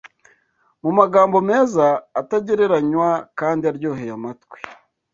Mu magambo meza atagereranywa kandi aryoheye amatwi